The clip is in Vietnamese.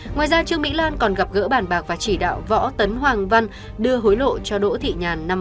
ngoài ra trương mỹ lan còn gặp gỡ bản bạc và chỉ đạo võ tấn hoàng văn đưa hối lộ cho đỗ thị nhàn năm hai triệu đô la